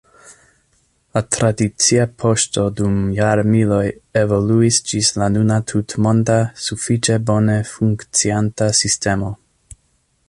La tradicia poŝto dum jarmiloj evoluis ĝis la nuna tutmonda, sufiĉe bone funkcianta sistemo.